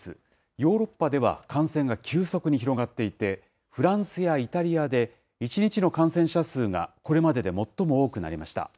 ヨーロッパでは感染が急速に広がっていて、フランスやイタリアで、１日の感染者数が、これまでで最も多くなりました。